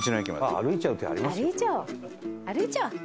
歩いちゃおう。